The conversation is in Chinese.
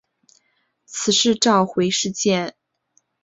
此次召回事件被证实为虚惊一场。